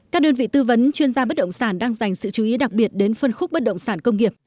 các đơn vị tư vấn chuyên gia bất động sản đang dành sự chú ý đặc biệt đến phân khúc bất động sản công nghiệp